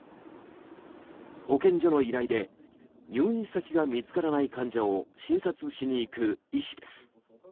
保健所の依頼で入院先が見つからない患者を診察しに行く医師です。